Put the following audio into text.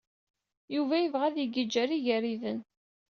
Yuba yebɣa ad igiǧǧ ɣer Igariden.